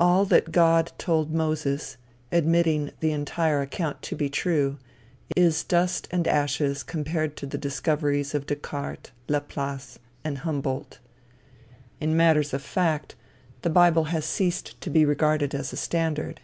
All that God told Moses, admitting the entire account to be true, is dust and ashes compared to the discoveries of Des Cartes, La Place, and Humboldt. In matters of fact, the bible has ceased to be regarded as a standard.